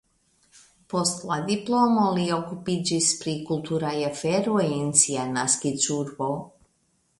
Post la diplomo li okupiĝis pri kulturaj aferoj en sia naskiĝurbo.